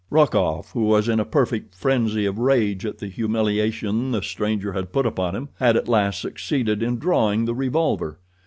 Rokoff, who was in a perfect frenzy of rage at the humiliation the stranger had put upon him, had at last succeeded in drawing the revolver.